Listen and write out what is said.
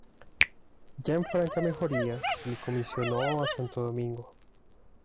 Ya en franca mejoría, se le comisionó a Santo Domingo.